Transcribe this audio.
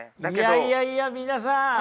いやいやいや皆さん